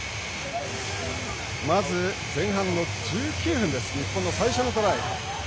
まず前半の１９分日本の最初のトライ。